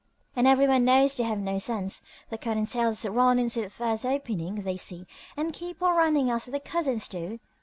"And everyone knows they have no sense. The Cottontails run into the first opening they see and never keep on running as their cousins do.